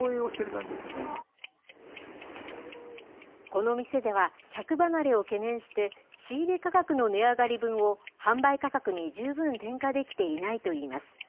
この店では、客離れを懸念して、仕入れ価格の値上がり分を販売価格に十分転嫁できていないといいます。